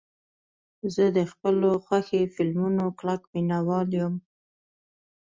زه د خپلو خوښې فلمونو کلک مینهوال یم.